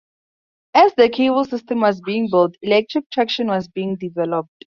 As the cable system was being built electric traction was being developed.